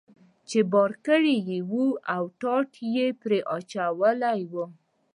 چې بار کړی یې و او ټاټ یې پرې اچولی و.